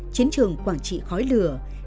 chiến trường quảng trị khói lửa